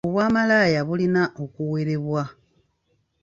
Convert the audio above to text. Obwamalaya bulina okuwerebwa.